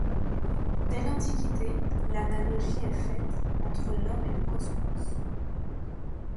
Dès l'Antiquité, l'analogie est faite entre l'homme et le cosmos.